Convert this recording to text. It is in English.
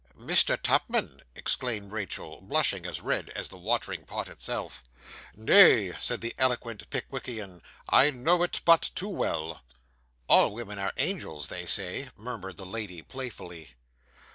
'Mr. Tupman!' exclaimed Rachael, blushing as red as the watering pot itself. 'Nay,' said the eloquent Pickwickian 'I know it but too well.' 'All women are angels, they say,' murmured the lady playfully.